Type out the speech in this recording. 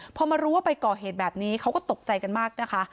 พอมารู้ว่าไปก่อเหตุแบบนี้เขาก็ตกใจกันมากนะคะ